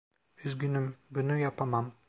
Üzgünüm, bunu yapamam.